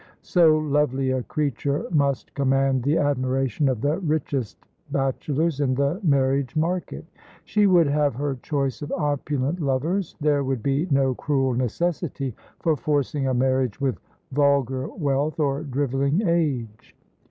So lovely a creature must command the admiration of the richest bachelors in the marriage market. She would have her choice of opulent lovers. There would be no cruel necessity for forcing a marriage with vulgar wealth or drivelling age.